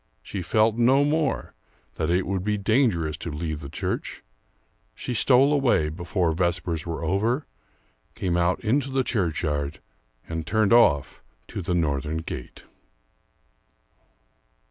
She felt no more that it would be dangerous to leave the church; she stole away, before vespers were over, came out into the churchyard and turned off to the northern gate.